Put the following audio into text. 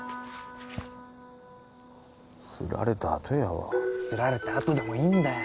すられたあとやわすられたあとでもいいんだよ